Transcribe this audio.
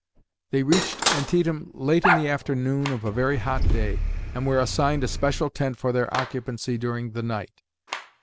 They reached Antietam late in the afternoon of a very hot day, and were assigned a special tent for their occupancy during the night.